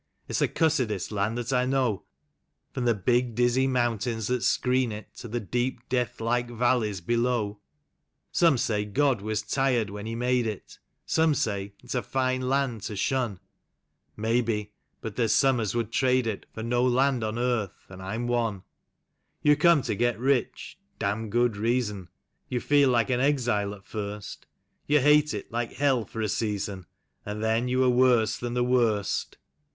It's the cussedest land that I know. From the big, dizzy mountains that screen it, To the deep, deathlike valleys below. Some say God was tired when He made it; Some say it's a fine land to shun; Maybe: but there's some as would trade it For no land on earth — and I'm one. 16 THE :SPELL OF THE YUKOX. You come to get rich (damned good reason), You feel like an exile at first; You hate it like hell for a season, And then you are worse than the worst.